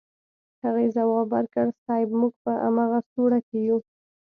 هغې ځواب ورکړ صيب موږ په امغه سوړه کې يو.